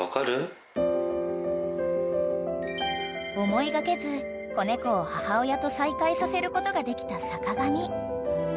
［思いがけず子猫を母親と再会させることができた坂上］